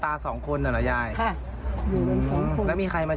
ตัวเองก็คอยดูแลพยายามเท็จตัวให้ตลอดเวลา